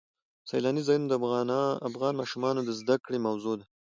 سیلاني ځایونه د افغان ماشومانو د زده کړې موضوع ده.